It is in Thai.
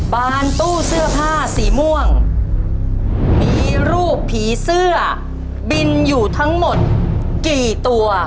ตู้เสื้อผ้าสีม่วงมีรูปผีเสื้อบินอยู่ทั้งหมดกี่ตัว